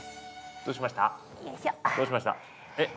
どうしました？え？